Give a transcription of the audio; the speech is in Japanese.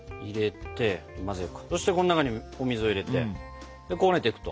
そしてこん中にお水を入れてでこねていくと。